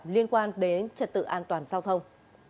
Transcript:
liên quan đến trật tự an toàn giao thông